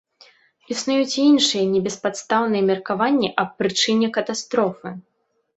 Існуюць і іншыя небеспадстаўныя меркаванні аб прычыне катастрофы.